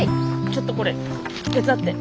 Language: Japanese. ちょっとこれ手伝って。